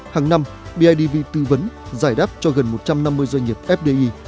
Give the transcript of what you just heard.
hàng năm bidv tư vấn giải đáp cho gần một trăm năm mươi doanh nghiệp fdi